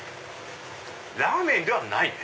ラーメンではないね。